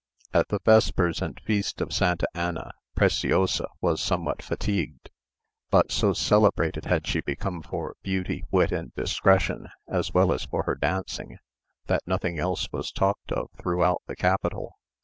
At the vespers and feast of Santa Anna Preciosa was somewhat fatigued; but so celebrated had she become for beauty, wit, and discretion, as well as for her dancing, that nothing else was talked of throughout the capital.